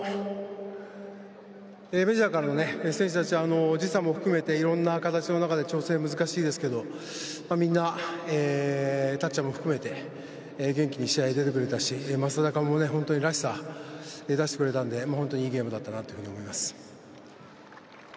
メジャーからの選手たちは時差も含めていろんな形の中で調整が難しいですけどみんな、たっちゃんも含めて元気に試合に出てくれたし正尚もらしさを出してくれて本当にいいゲームだったなと思います。